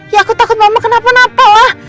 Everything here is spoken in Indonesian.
ya aku takut mama kenapa napa ya